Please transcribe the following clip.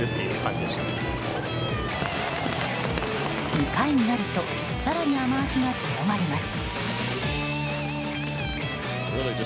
２回になると更に雨脚が強まります。